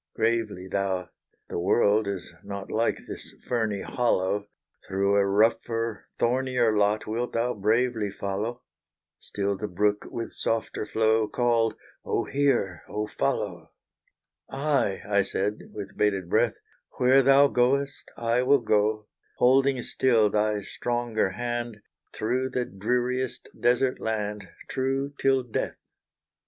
Gravely thou "The world is not Like this ferny hollow Through a rougher, thornier lot Wilt thou bravely follow?" Still the brook, with softer flow, Called, "Oh hear! Oh follow!" "Aye," I said, with bated breath, "Where thou goest, I will go; Holding still thy stronger hand, Through the dreariest desert land, True, till death."